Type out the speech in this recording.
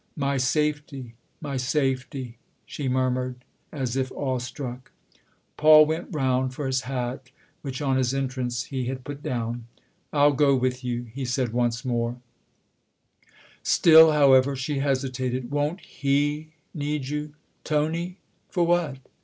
" My safety my safety !" she mur mured as if awestruck. Paul went round for his hat, which on his entrance he had put down. " I'll go with you," he said once more. THE OTHER HOUSE 315 Still, however, she hesitated. " Won't he need you ?"" Tony ? for what